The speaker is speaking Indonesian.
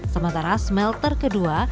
sementara smelter kedua